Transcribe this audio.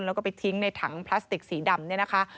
แล้วก็ไปทิ้งในถังพลาสติกสีดำ